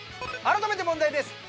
改めて問題です。